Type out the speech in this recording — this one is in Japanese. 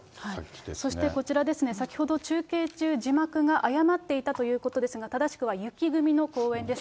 そしてこちらですね、先ほど中継中、字幕が誤っていたということですが、正しくは雪組の公演です。